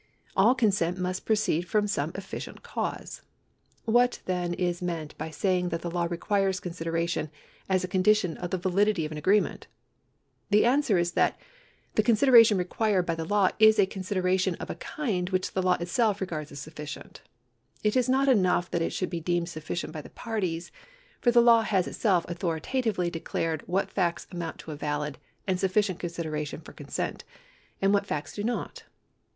All consent must proceed from some efficient cause. What, then, is meant by saying that the law requires a consideration as a condition of the validity of an agreement ? The answer is that the consideration required by the law is a consideration of a kind which the law itself regards as sufficient. It is not enough that it should be deemed sufficient by the parties, for the law has itself authoritatively declared what facts amount to a valid and sufficient consideration for consent, and what facts do not.